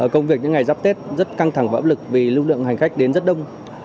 công việc những ngày giáp tết rất căng thẳng và áp lực vì lưu lượng hành khách đến rất đông